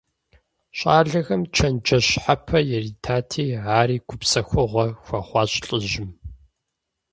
ЩӀалэхэм чэнджэщ щхьэпэ яритати, ари гупсэхугъуэ хуэхъуащ лӀыжьым.